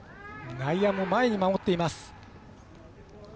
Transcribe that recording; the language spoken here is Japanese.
内野も前に守っています。